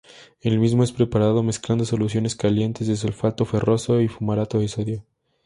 El mismo es preparado mezclando soluciones calientes de sulfato ferroso y fumarato de sodio.